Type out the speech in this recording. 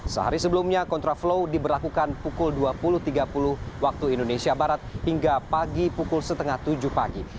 sehari sebelumnya kontraflow diberlakukan pukul dua puluh tiga puluh waktu indonesia barat hingga pagi pukul setengah tujuh pagi